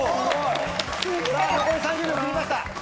残り３０秒切りました！